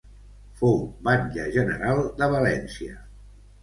Fou batlle general de València.